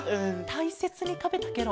たいせつにたべたケロ？